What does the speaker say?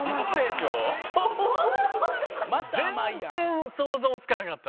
全然想像つかなかった。